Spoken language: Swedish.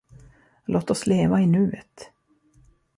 Låt oss leva i nuet!